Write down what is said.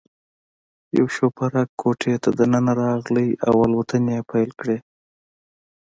یو شوپرک کوټې ته دننه راغلی او الوتنې یې پیل کړې.